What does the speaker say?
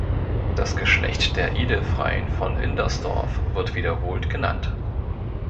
Das Geschlecht der Edelfreien von Indersdorf wird wiederholt genannt.